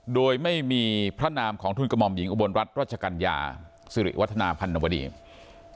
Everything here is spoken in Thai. โดยไม่มีพระนามของทุนกมอมหญิงอุบลรัฐรัชกัญญาสิริวัฒนาพันธุ์บริษัทธิ์